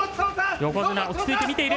横綱、落ち着いて見ている。